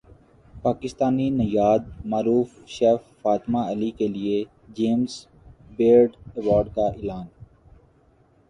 پاکستانی نژاد معروف شیف فاطمہ علی کیلئے جیمز بیئرڈ ایوارڈ کا اعلان